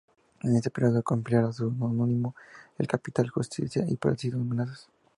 En este periódico empleó el seudónimo "El Capitán Justicia" y padeció amenazas constantes.